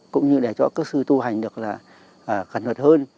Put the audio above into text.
cũng như để cho các sư tu hành được là gần hợp hơn